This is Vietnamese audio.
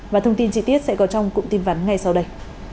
và thông tin chi tiết sẽ có trong cụm tin vắn ngay sau đây